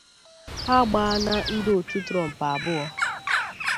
agbaana ndị otu Trump abụọ